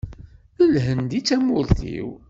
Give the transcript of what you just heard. D Lhend i d tamurt-iw.